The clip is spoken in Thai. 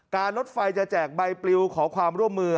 รถไฟจะแจกใบปลิวขอความร่วมมือ